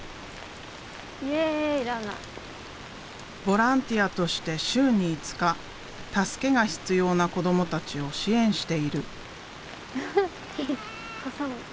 ボランティアとして週に５日助けが必要な子どもたちを支援している。